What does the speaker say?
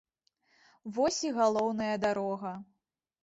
Вось і галоўная дарога.